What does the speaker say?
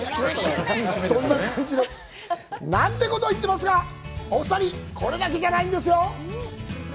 いい締めですよね。なんてことを言っていますがお二人、これだけじゃないんです！